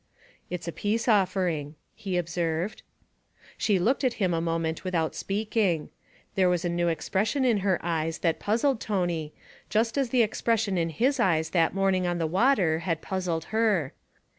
'It's a peace offering,' he observed. She looked at him a moment without speaking. There was a new expression in her eyes that puzzled Tony, just as the expression in his eyes that morning on the water had puzzled her.